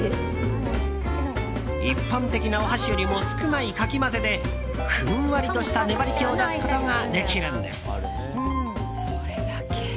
一般的なお箸よりも少ないかき混ぜでふんわりとした粘り気を出すことができるんです。